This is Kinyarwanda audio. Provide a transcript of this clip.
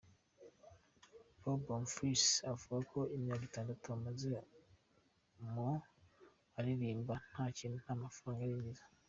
Bobo Bonfils avuga ko imyaka itandatu amaze mu aririmba, nta kintu nta mafaranga arinjiza.